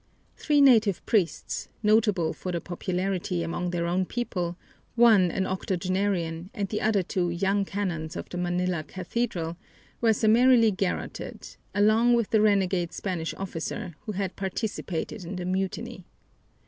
Three native priests, notable for their popularity among their own people, one an octogenarian and the other two young canons of the Manila Cathedral, were summarily garroted, along with the renegade Spanish officer who had participated in the mutiny.